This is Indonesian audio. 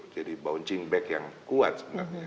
bouncing back yang kuat sebenarnya